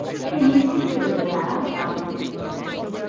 সে নিশ্চিত ছিল যে তারা বাঁচবে।